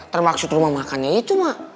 termaksud rumah makannya itu mah